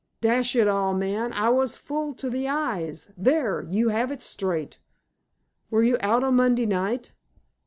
"Dash it all, man, I was full to the eyes. There! You have it straight." "Were you out on Monday night?"